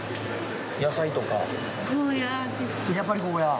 やっぱりゴーヤー？